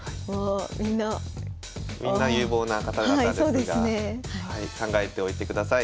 みんな有望な方々ですが考えておいてください。